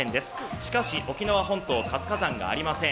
しかし沖縄本島、活火山がありません。